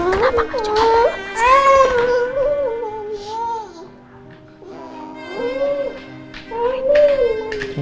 kenapa gak coba telepon